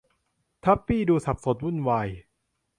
ทับปี้ดูสับสนวุ่นวาย